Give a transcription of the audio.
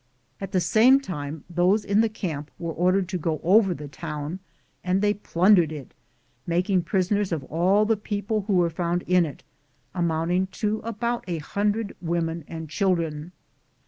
At the same time those in the camp were ordered to go over the town, and they plundered it, making prisoners of all the people who were found in it, amounting to about a hundred women and children.